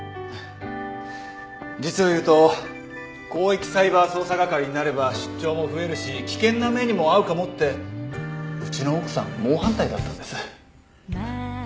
実を言うと広域サイバー捜査係になれば出張も増えるし危険な目にも遭うかもってうちの奥さん猛反対だったんです。